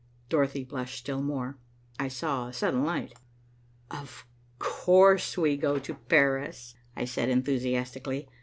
Dorothy blushed still more. I saw a sudden light. "Of course we go to Paris," I said enthusiastically.